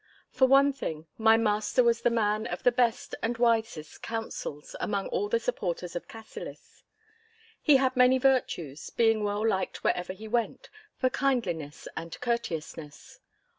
For one thing, my master was the man of the best and wisest counsels among all the supporters of Cassillis. He had many virtues, being well liked wherever he went for kindliness and courteousness.